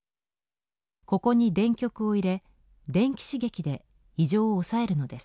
ここに電極を入れ電気刺激で異常を抑えるのです。